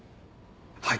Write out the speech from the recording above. はい。